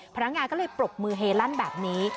พนักงานก็เลยปรบมือเฮลั่นแบบนี้